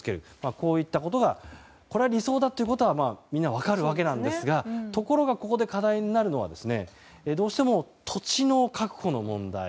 こういったことが理想だということはみんな分かるわけですがところが、ここで課題になるのはどうしても、土地の確保の問題。